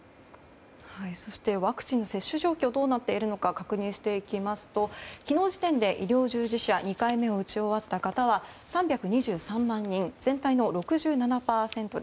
そしてワクチンの接種状況どうなっているのか確認していきますと昨日時点で医療従事者２回目を打ち終わった方は３２３万人、全体の６７％。